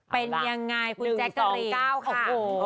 เป็นยังไงคุณแจ๊กเตอรี่๑๒๙ค่ะ